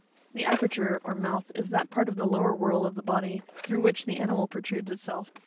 — 2 The aperture or mouth, is that part 'of the lower whorl or body through & which the animal protrudes itself.